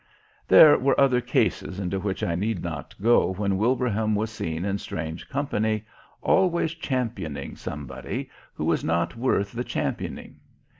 There were other cases into which I need not go when Wilbraham was seen in strange company, always championing somebody who was not worth the championing.